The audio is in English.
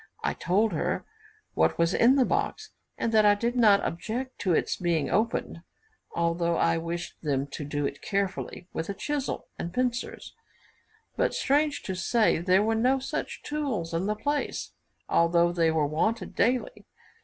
I told her what was in the box, and that I did not object to its being opened, although I wished them to do it carefully with a chisel and pincers; but, strange to say, there were no such tools in the place, although they were wanted daily.